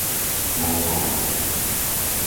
Volkovce